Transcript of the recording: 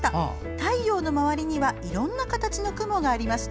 太陽の周りにはいろんな形の雲がありました。